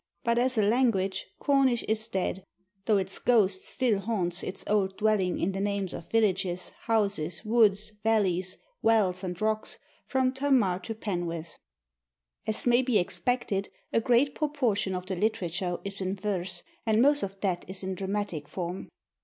But as a language Cornish is dead, though its ghost still haunts its old dwelling in the names of villages, houses, woods, valleys, wells, and rocks, from Tamar to Penwith. As may be expected, a great proportion of the literature is in verse, and most of that is in dramatic form.